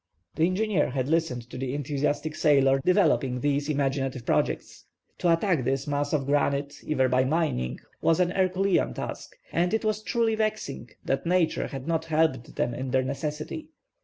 The engineer had listened to the enthusiastic sailor developing these imaginative projects. To attack this mass of granite, even by mining, was an Herculean task, and it was truly vexing that nature had not helped them in their necessity.